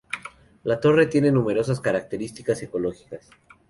La torre tiene numerosas características ecológicas.